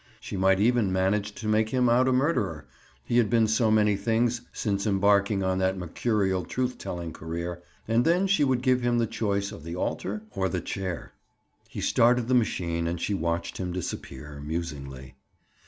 She might even manage to make him out a murderer—he had been so many things since embarking on that mercurial truth telling career—and then she would give him the choice of the altar or the chair. He started the machine and she watched him disappear, musingly.